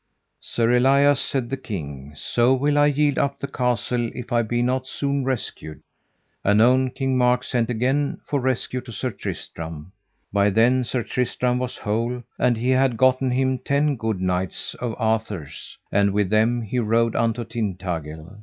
Sir Elias, said the king, so will I yield up the castle if I be not soon rescued. Anon King Mark sent again for rescue to Sir Tristram. By then Sir Tristram was whole, and he had gotten him ten good knights of Arthur's; and with them he rode unto Tintagil.